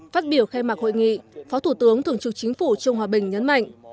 phát biểu khai mạc hội nghị phó thủ tướng thường trực chính phủ trương hòa bình nhấn mạnh